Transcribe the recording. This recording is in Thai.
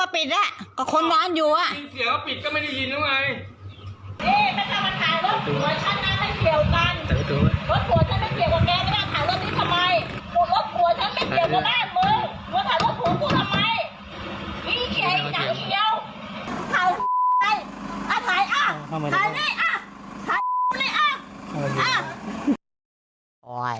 ถ่ายให้ถ่ายถ่ายถ่ายนี่ถ่ายนี่